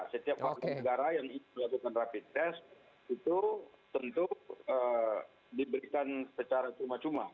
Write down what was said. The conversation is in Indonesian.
setiap warga negara yang ingin melakukan rapid test itu tentu diberikan secara cuma cuma